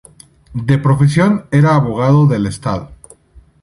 De profesión era abogado del Estado.